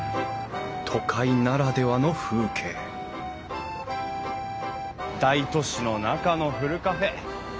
都会ならではの風景大都市の中のふるカフェ。